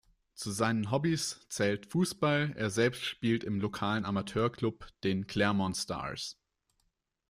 Zu seinen Hobbys zählt Fußball, er selbst spielt im lokalen Amateur-Club, den "Claremont Stars".